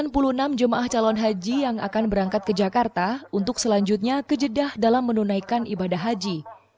pada hari ke dua mari